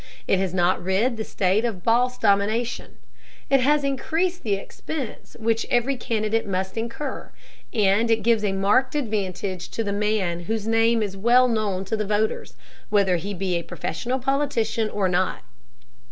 It has not rid the state of boss domination; it has increased the expense which every candidate must incur, and it gives a marked advantage to the man whose name is well known to the voters, whether he be a professional politician or not.